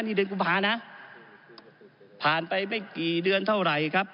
นี่เดือนกุมภานะผ่านไปไม่กี่เดือนเท่าไหร่ครับ